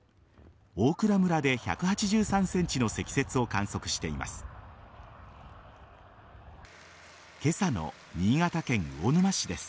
大蔵村で１８３ｃｍの積雪を観測しています。